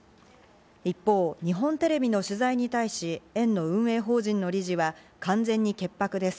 一方、日本テレビの取材に対し、園の運営法人の理事は、完全に潔白です。